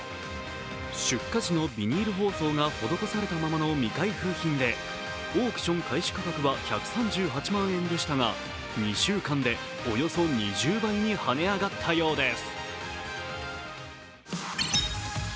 出荷時のビニール包装が施されたままの未開封品でオークション開始価格は１３８万円でしたが、２週間でおよそ２０倍にはね上がったようです。